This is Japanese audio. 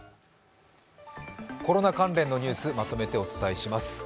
コロナ関連のニュースまとめてお伝えします。